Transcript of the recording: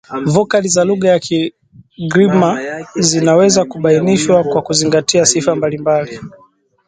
Vokali za lugha ya Kigiryama zinaweza kubainishwa kwa kuzingatia sifa mbalimbali